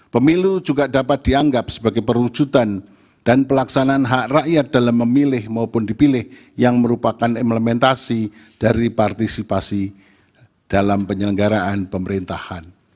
pemilu juga dapat dianggap sebagai perwujudan dan pelaksanaan hak rakyat dalam memilih maupun dipilih yang merupakan implementasi dari partisipasi dalam penyelenggaraan pemerintahan